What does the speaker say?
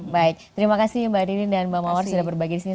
baik terima kasih mbak ririn dan mbak mawar sudah berbagi disini